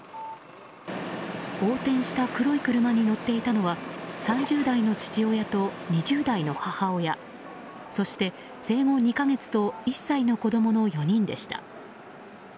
横転した黒い車に乗っていたのは３０代の父親と２０代の母親そして、生後２か月と１歳の子供の４人でした。